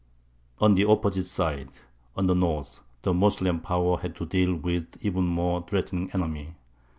On the opposite side, on the north, the Moslem power had to deal with an even more threatening enemy.